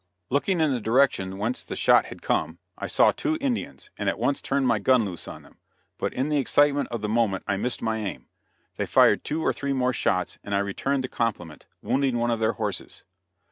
Looking in the direction whence the shot had come, I saw two Indians, and at once turned my gun loose on them, but in the excitement of the moment I missed my aim. They fired two or three more shots, and I returned the compliment, wounding one of their horses.